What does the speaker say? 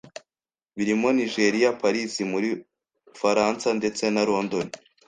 birimo Nigeria, Paris mu Bufaransa ndetse na London